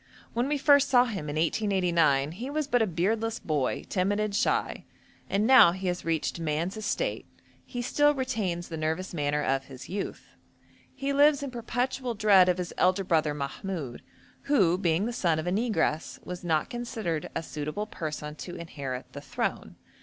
When we first saw him, in 1889, he was but a beardless boy, timid and shy, and now he has reached man's estate he still retains the nervous manner of his youth. He lives in perpetual dread of his elder brother Mahmoud, who, being the son of a negress, was not considered a suitable person to inherit the throne.